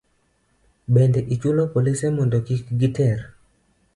Bende, ichulo polise mondo kik giter